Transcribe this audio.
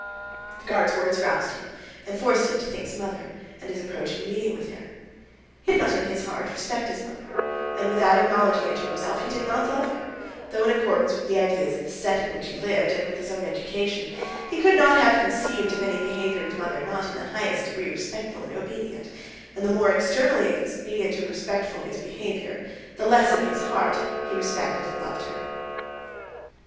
The guard's words roused him, and forced him to think of his mother and his approaching meeting with her. He did not in his heart respect his mother, and without acknowledging it to himself, he did not love her, though in accordance with the ideas of the set in which he lived, and with his own education, he could not have conceived of any behavior to his mother not in the highest degree respectful and obedient, and the more externally obedient and respectful his behavior, the less in his heart he respected and loved her.